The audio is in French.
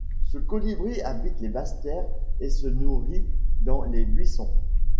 Ce colibri habite les basses terres et se nourrit dans les buissons.